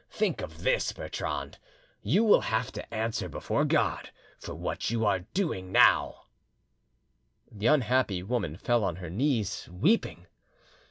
Think of this, Bertrande, you will have to answer before God for what you are now doing!" The unhappy woman fell on her knees, weeping.